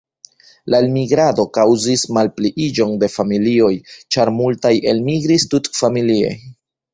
La elmigrado kaŭzis malpliiĝon de familioj, ĉar multaj elmigris tutfamilie.